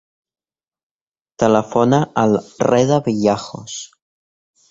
Telefona al Reda Villajos.